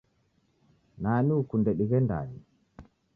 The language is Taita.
Nani ukunde dighendanye?